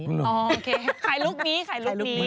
อ๋อโอเคขายลูกนี้ขายลูกนี้